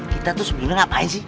kita tuh sebenarnya ngapain sih